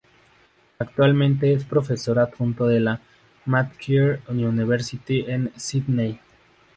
Actualmente es profesor adjunto de la Macquarie University, en Sídney.